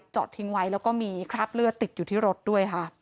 จอดทิ้งไว้แล้วก็มีคราบเลือดติดอยู่ที่รถด้วยค่ะ